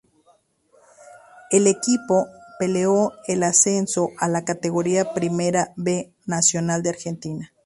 El equipo peleó el ascenso a la categoría Primera B Nacional de Argentina.